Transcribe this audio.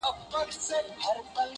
o چي څنگه دېگ، هغسي ئې ټېپر.